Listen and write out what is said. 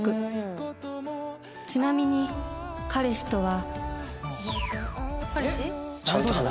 ちなみに彼氏とは